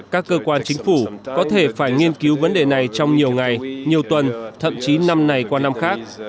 các cơ quan chính phủ có thể phải nghiên cứu vấn đề này trong nhiều ngày nhiều tuần thậm chí năm này qua năm khác